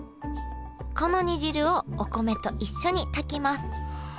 この煮汁をお米と一緒に炊きます